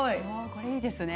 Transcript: これいいですね。